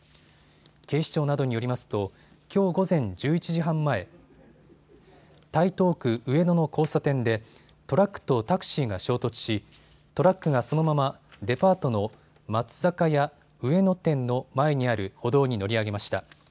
警視庁などによりますときょう午前１１時半前、台東区上野の交差点でトラックとタクシーが衝突しトラックがそのままデパートの松坂屋上野店の前にある歩道に乗り上げました。